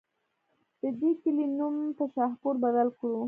د دې کلي نوم پۀ شاهپور بدل کړو